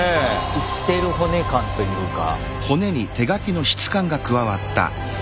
生きてる骨感というか。